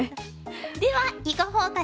では「囲碁フォーカス」